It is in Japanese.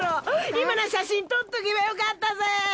今の写真撮っとけばよかったぜ。